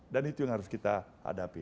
dan itu yang harus kita hadapi